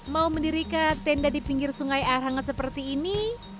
mau mendirikan tenda di pinggir sungai air hangat seperti ini